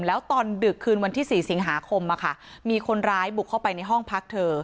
แล้วตอนดึกคืนวันที่๔สิงหาคมมีคนร้ายบุกเข้าไปในห้องพักเธอ